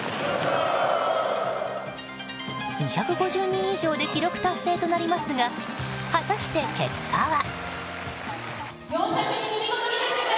２５０人以上で記録達成となりますが果たして結果は。